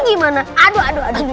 gimana aduh aduh aduh